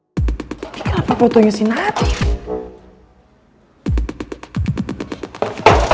tapi kenapa fotonya si natif